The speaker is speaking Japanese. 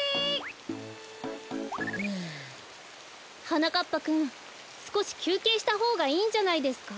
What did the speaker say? はなかっぱくんすこしきゅうけいしたほうがいいんじゃないですか？